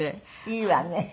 いいわね。